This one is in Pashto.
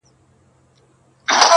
دا به څوک وي چي بلبل بولي ښاغلی٫